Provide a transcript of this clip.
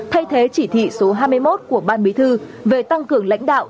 thay thế chỉ thị số hai mươi một của ban bí thư về tăng cường lãnh đạo